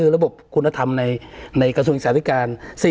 ระบบคุณธรรมในกระทรวงศึกษาธิการ